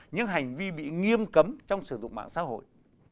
những hành vi bị nghiêm cấm trong sử dụng mạng xã hội